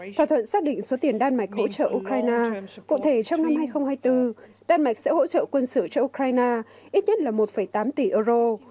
thỏa thuận xác định số tiền đan mạch hỗ trợ ukraine cụ thể trong năm hai nghìn hai mươi bốn đan mạch sẽ hỗ trợ quân sự cho ukraine ít nhất là một tám tỷ euro